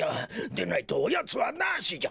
でないとおやつはなしじゃ！